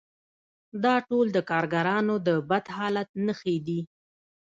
دا ټول د کارګرانو د بد حالت نښې دي